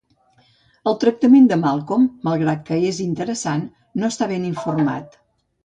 El tractament de Malcolm, malgrat que és interessant, no està ben informat.